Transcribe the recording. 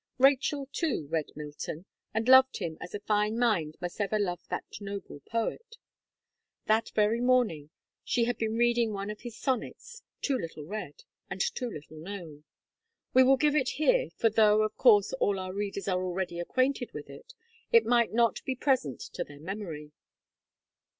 Rachel, too, read Milton, and loved him as a fine mind must ever love that noble poet. That very morning, she had been reading one of his sonnets, too little read, and too little known. We will give it here, for though, of course, all our readers are already acquainted with it, it might not be present to their memory.